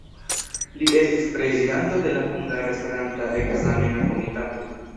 Li estis prezidanto de la Hungara Esperanta Ekzamena Komitato.